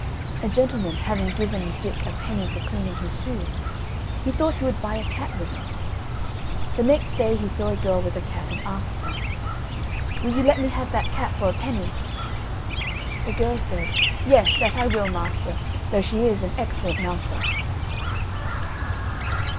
A gentleman having given Dick a penny for cleaning his shoes, he thought he would buy a cat with it. The next day he saw a girl with a cat, and asked her, "Will you let me have that cat for a penny?" The girl said: "Yes, that I will, master, though she is an excellent mouser."